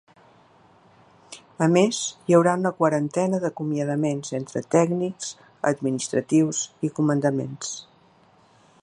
A més, hi haurà una quarantena d’acomiadaments entre tècnics, administratius i comandaments.